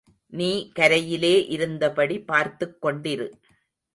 நீ கரையிலே இருந்தபடி பார்த்துக் கொண்டிரு.